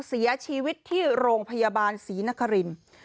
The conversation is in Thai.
เสียชีวิตที่โรงพยาบาลศรีนครินทร์